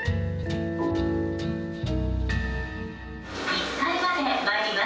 「１階まで参ります」。